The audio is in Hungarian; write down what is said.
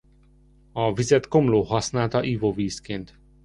A vizet Komló használta ivóvízként.